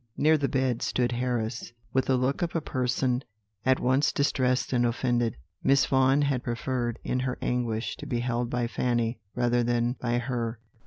Near the bed stood Harris, with the look of a person at once distressed and offended. Miss Vaughan had preferred, in her anguish, to be held by Fanny rather than by her.